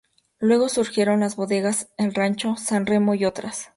Luego surgieron las bodegas El Rancho, San Remo y otras.